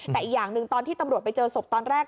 แต่อีกอย่างหนึ่งตอนที่ตำรวจไปเจอศพตอนแรก